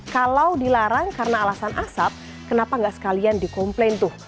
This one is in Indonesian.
kalau dilarang karena alasan asap kenapa nggak sekalian dikomplain tuh